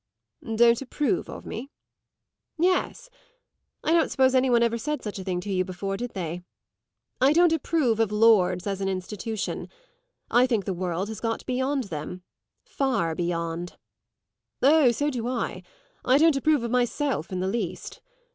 "Don't approve of me?" "Yes; I don't suppose any one ever said such a thing to you before, did they? I don't approve of lords as an institution. I think the world has got beyond them far beyond." "Oh, so do I. I don't approve of myself in the least.